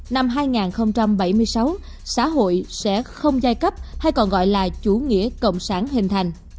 năm hai nghìn bảy mươi sáu xã hội sẽ không giai cấp hay còn gọi là chủ nghĩa cộng sản hình thành